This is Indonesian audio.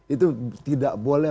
itu tidak boleh